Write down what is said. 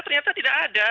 ternyata tidak ada